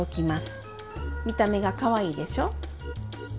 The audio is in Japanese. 見た目がかわいいでしょ！